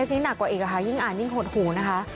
อันนี้หนักกว่าอีกค่ะยิ่งอ่านยิ่งหดหูนะคะ